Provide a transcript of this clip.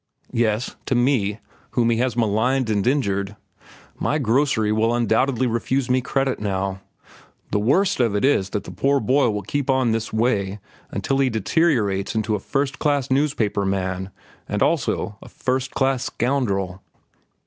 "Yes, to me whom he has maligned and injured. My grocery will undoubtedly refuse me credit now. The worst of it is that the poor boy will keep on this way until he deteriorates into a first class newspaper man and also a first class scoundrel."